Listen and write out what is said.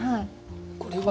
これは。